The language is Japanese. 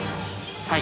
はい。